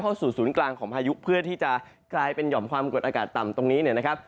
ศูนย์กลางของพายุเพื่อที่จะกลายเป็นหย่อมความกดอากาศต่ำตรงนี้เนี่ยนะครับ